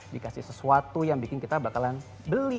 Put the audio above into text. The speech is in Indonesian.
dikasih sesuatu yang bikin kita bakalan beli